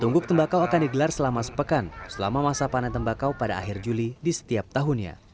tungguk tembakau akan digelar selama sepekan selama masa panen tembakau pada akhir juli di setiap tahunnya